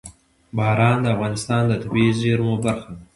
باران د افغانستان د طبیعي زیرمو برخه ده.